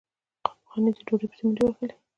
قانع د ډوډۍ پسې منډې وهلې.